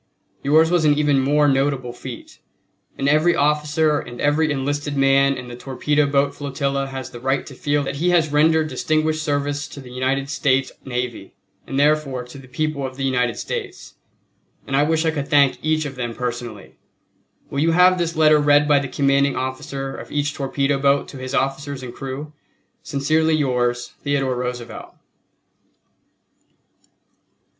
Yours was an even more notable feat, and every officer and every enlisted man in the torpedo boat flotilla has the right to feel that he has rendered distinguished service to the United States navy and therefore to the people of the United States; and I wish I could thank each of them personally. Will you have this letter read by the commanding officer of each torpedo boat to his officers and crew? Sincerely yours, THEODORE ROOSEVELT.